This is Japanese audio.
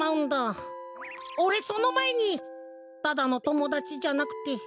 オレそのまえにただのともだちじゃなくて。